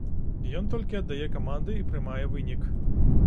Ён толькі аддае каманды і прымае вынік.